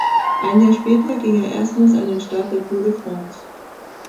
Ein Jahr später ging er erstmals an den Start der Tour de France.